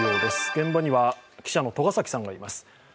現場には記者の栂崎さんがいます。